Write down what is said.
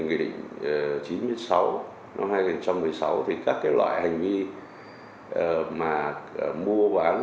nghị định chín mươi sáu năm hai nghìn một mươi sáu thì các loại hành vi mà mua bán